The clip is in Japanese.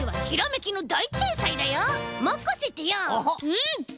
うん！